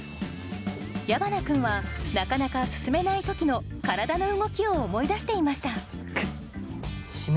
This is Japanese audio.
矢花君はなかなか進めない時の体の動きを思い出していました